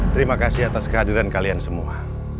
terima kasih atas kehadiran kalian semua